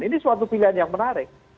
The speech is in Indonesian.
ini suatu pilihan yang menarik